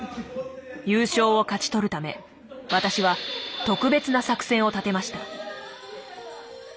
優勝を勝ち取るため私は特別な作戦を立てました。